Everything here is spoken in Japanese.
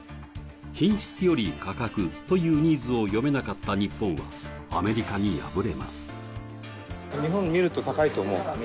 品質より価格というニーズを読めなかった日本は、アメリカに敗れます。